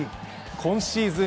今シーズン